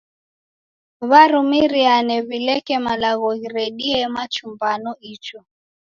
W'arumiriane w'ileke malagho ghiredie machumbano icho.